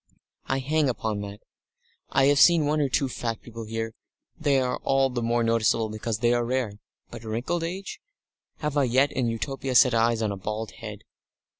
I hang upon that. I have seen one or two fat people here they are all the more noticeable because they are rare. But wrinkled age? Have I yet in Utopia set eyes on a bald head?